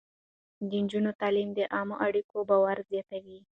د نجونو تعليم د عامه اړيکو باور زياتوي.